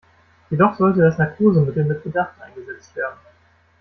Jedoch sollte das Narkosemittel mit Bedacht eingesetzt werden.